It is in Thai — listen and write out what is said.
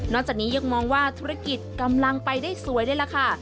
จากนี้ยังมองว่าธุรกิจกำลังไปได้สวยเลยล่ะค่ะ